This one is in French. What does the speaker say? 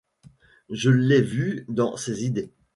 Je l’ai vu dans ses idées.